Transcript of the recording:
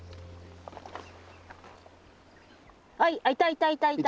あっいたいたいたいた！